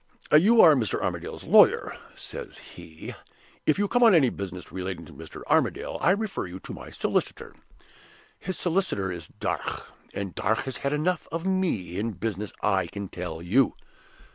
'You are Mr. Armadale's lawyer,' says he; 'if you come on any business relating to Mr. Armadale, I refer you to my solicitor.' (His solicitor is Darch; and Darch has had enough of me in business, I can tell you!)